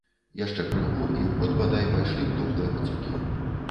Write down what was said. Яшчэ крыху, і ў ход, бадай, пайшлі б дохлыя пацукі.